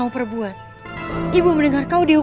ridu itu masih bebas dalam mikir